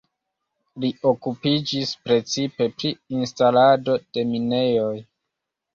Li okupiĝis precipe pri instalado de minejoj.